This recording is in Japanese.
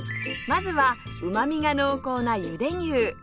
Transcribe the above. まずはうまみが濃厚なゆで牛